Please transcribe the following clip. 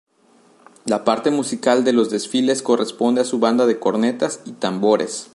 La parte musical de los desfiles corresponde a su Banda de Cornetas y Tambores.